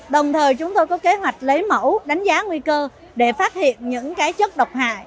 đồng thời chúng tôi có kế hoạch lấy mẫu đánh giá nguy cơ để phát hiện những chất độc hại